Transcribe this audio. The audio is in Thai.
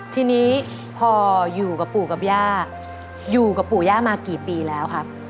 ทีนี้พออยู่กับปู่กับย่าอยู่กับปู่ย่ามากี่ปีแล้วครับ